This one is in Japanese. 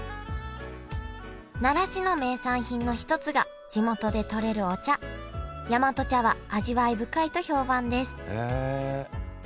奈良市の名産品の一つが地元でとれるお茶大和茶は味わい深いと評判です。